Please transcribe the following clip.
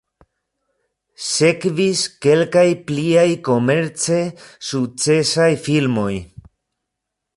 Sekvis kelkaj pliaj komerce sukcesaj filmoj.